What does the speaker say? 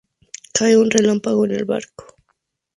Cae un relámpago en el barco.